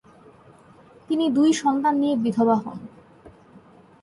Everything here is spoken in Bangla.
তিনি দুই সন্তান নিয়ে বিধবা হন।